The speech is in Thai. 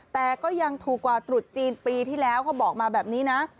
แต่ก็ยังถูกกว่าตรุษจีนปีที่แล้วเขาบอกมาแบบนี้นะ